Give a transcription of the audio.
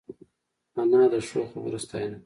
انا د ښو خبرو ستاینه کوي